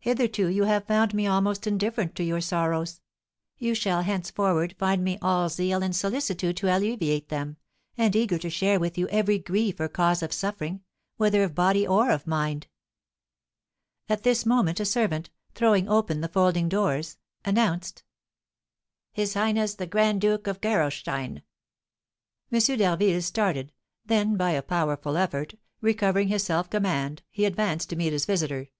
Hitherto you have found me almost indifferent to your sorrows; you shall henceforward find me all zeal and solicitude to alleviate them, and eager to share with you every grief or cause of suffering, whether of body or of mind." At this moment a servant, throwing open the folding doors, announced: "His Highness the Grand Duke of Gerolstein." M. d'Harville started; then, by a powerful effort, recovering his self command, he advanced to meet his visitor.